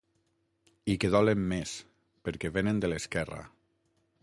I que dolen més, perquè vénen de l’esquerra.